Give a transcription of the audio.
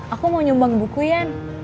aku mau nyumbang buku yan